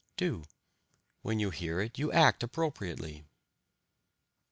(2) When you hear it you act appropriately.